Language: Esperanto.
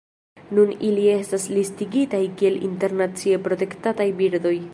Nun ili estas listigitaj kiel internacie protektataj birdoj.